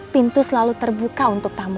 pintu selalu terbuka untuk tamu